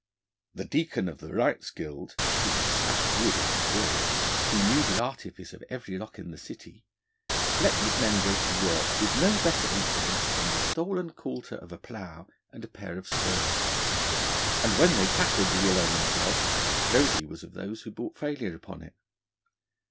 The Deacon of the Wrights' Guild, who could slash wood at his will, who knew the artifice of every lock in the city, let his men go to work with no better implements than the stolen coulter of a plough and a pair of spurs. And when they tackled the ill omened job, Brodie was of those who brought failure upon it.